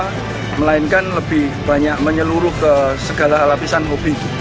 kita melainkan lebih banyak menyeluruh ke segala lapisan hobi